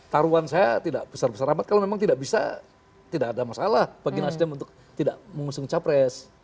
taruhan saya tidak besar besar amat kalau memang tidak bisa tidak ada masalah bagi nasdem untuk tidak mengusung capres